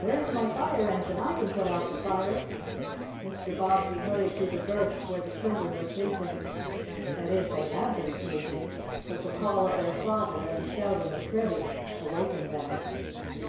Where's my fire engine? I can put out the fire!" Mr. Bobbsey hurried to the berths where the children were sleeping. That is, they had been sleeping, but the call of their father, and the shouting of Freddie, awakened them.